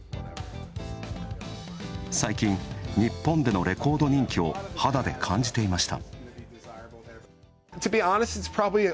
最近、日本でのレコード人気を肌で感じていました。